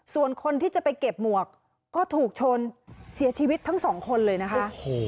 ส่วนคนที่จะไปเก็บหมวกก็ถูกชนเสียชีวิตทั้งสองคนเลยนะคะ